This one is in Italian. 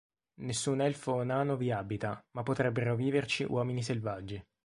Nessun Elfo o Nano vi abita, ma potrebbero viverci Uomini selvaggi.